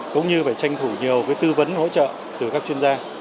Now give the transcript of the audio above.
cũng như phải tranh thủ nhiều tư vấn hỗ trợ từ các chuyên gia